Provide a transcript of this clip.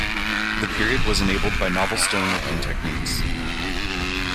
The period was enabled by novel stone working techniques.